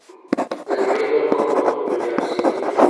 د نړۍ بل قوم به دومره بې حوصلې نه وي.